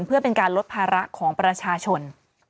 เพื่อเป็นการลดภาระของประชาชน